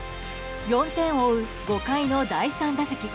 ４点を追う５回の第３打席。